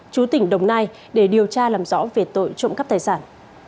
chú tỉnh đồng nai để điều tra làm rõ về tội trộm cắp tài sản